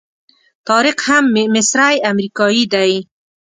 طارق هم مصری امریکایي دی.